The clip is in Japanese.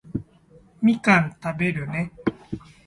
みかん食べるね